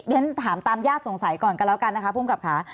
เด้นถามตามยากสงสัยก่อนกันแล้วการนะคะผู้มกับค้า